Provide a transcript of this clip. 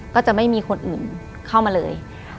ก็จะไม่มีคนอื่นเข้ามาเลย